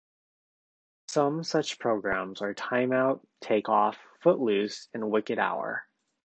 Some such programs are "Time Out," "Take Off," "Footloose," and "Wicked Hour.